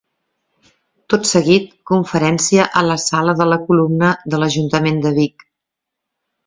Tot seguit, conferència a la Sala de la Columna de l'Ajuntament de Vic.